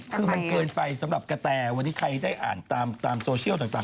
คือมันเกินไปสำหรับกะแตวันนี้ใครได้อ่านตามโซเชียลต่าง